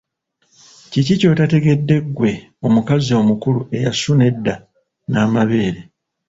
Kiki ky'otategedde ggwe omukazi omukulu eyasuna edda n'amabeere?